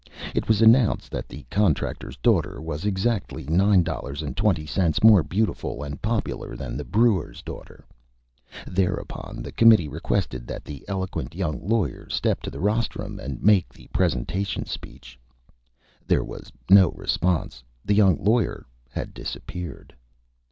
It was Announced that the Contractor's Daughter was exactly Nine Dollars and Twenty Cents more Beautiful and Popular than the Brewer's Daughter. [Illustration: THE MINORITY REPORT] Thereupon the Committee requested that the Eloquent Young Lawyer step to the Rostrum and make the Presentation Speech. There was no Response; the Young Lawyer had Disappeared.